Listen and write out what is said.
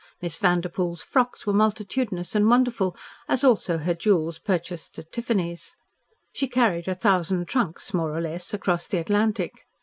Miss Vanderpoel's frocks were multitudinous and wonderful, as also her jewels purchased at Tiffany's. She carried a thousand trunks more or less across the Atlantic.